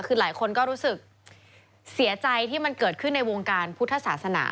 คือหลายคนก็รู้สึกเสียใจที่มันเกิดขึ้นในวงการพุทธศาสนา